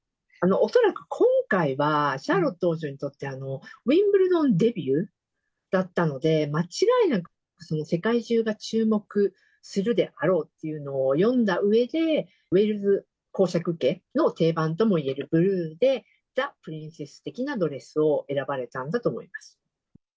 恐らく今回は、シャーロット王女にとって、ウィンブルドンデビューだったので、間違いなく世界中が注目するであろうというのを読んだうえで、ウェールズ公爵家の定番ともいえるブルーで、ザ・プリンセス的なドレスを選ばれたんだと思います。